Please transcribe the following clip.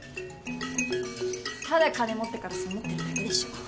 ただ金持ったからそう思ってるだけでしょ。